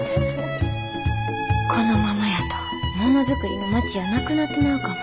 このままやとものづくりの町やなくなってまうかも。